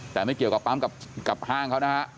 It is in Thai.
แต่ไม่เกี่ยวกับปั๊มกับห้างเขานะฮะ